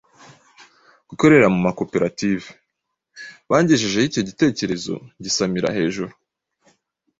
gukorera mu makoperative. Bangejejeho icyo gitekerezo ngisamira hejuru,